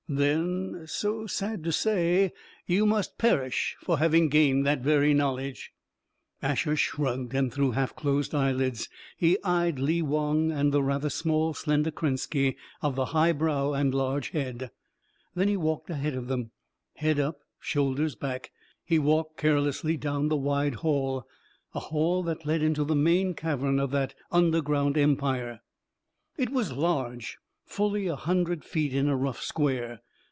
Then, so sad to say, you must perish for having gained that very knowledge." Asher shrugged, and through half closed lids he eyed Lee Wong and the rather small, slender Krenski, of the high brow and large head. Then he walked ahead of them. Head up, shoulders back, he walked carelessly down the wide hall a hall that led into the main cavern of that underground empire. It was large fully a hundred feet in a rough square.